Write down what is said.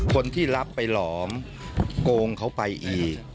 คนที่รับไปหลอมโกงเขาไปอีก